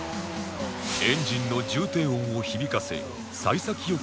エンジンの重低音を響かせああー。